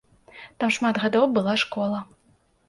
Там шмат гадоў была школа.